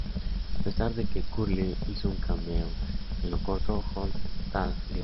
A pesar de que Curly hizo un cameo en el corto "Hold that Lion!